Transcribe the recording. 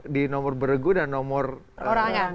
di nomor bergu dan nomor perorangan